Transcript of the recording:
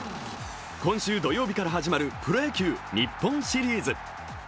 今週土曜日から始まるプロ野球日本シリーズ。